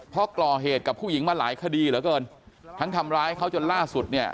เพราะก่อเหตุกับผู้หญิงมาหลายคดีเหลือเกินทั้งทำร้ายเขาจนล่าสุดเนี่ย